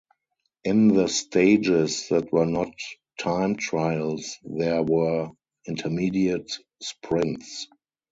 In the stages that were not time trials, there were intermediate sprints.